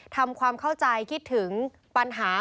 ทำความเข้าใจคิดถึงปัญหา